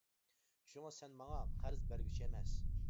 شۇڭا سەن ماڭا قەرز بەرگۈچى ئەمەس.